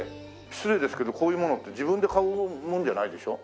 失礼ですけどこういうものって自分で買うもんじゃないでしょ？